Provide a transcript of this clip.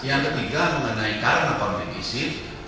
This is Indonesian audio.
yang ketiga mengenai karakterisasi